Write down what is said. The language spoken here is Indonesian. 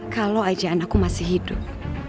kalau aja anakku masih hidup